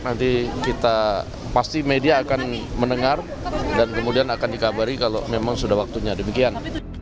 nanti kita pasti media akan mendengar dan kemudian akan dikabari kalau memang sudah waktunya demikian